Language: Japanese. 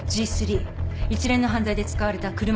一連の犯罪で使われた車のタイヤ痕。